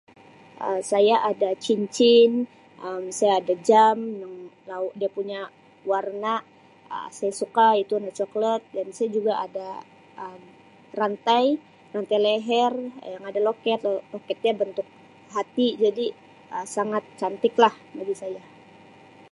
Um Saya ada cincin Um saya ada jam yang law dia punya warna Um saya suka itu warna coklat dan saya juga ada Um rantai rantai leher yang ada loket loket dia bentuk hati jadi Um sangat cantiklah bagi saya.